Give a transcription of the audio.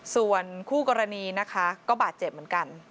ส่วนคู่กรณีนะคะก็บาดเจ็บเหมือนกัน